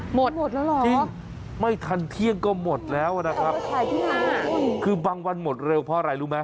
หมดจริงไม่ทันเที่ยงก็หมดแล้วนะครับคือบางวันหมดเร็วเพราะอะไรรู้ไหม